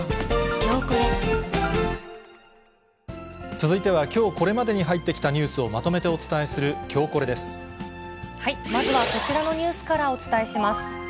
続いては、きょうこれまでに入ってきたニュースをまとめてお伝えするきょうまずはこちらのニュースからお伝えします。